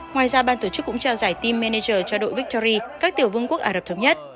ngoài ra ban tổ chức cũng trao giải team manager cho đội victoria các tiểu vương quốc ả rập thống nhất